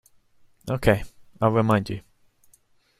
Okay, I'll remind you.